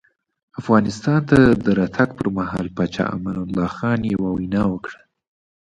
افغانستان ته د راتګ پر مهال پاچا امان الله خان یوه وینا وکړه.